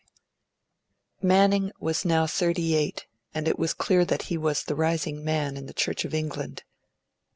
IV MANNING was now thirty eight, and it was clear that he was the rising man in the Church of England.